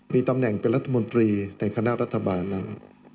มีตำแหน่งเป็นรัฐมนตรีในคณะรัฐบาลนั้น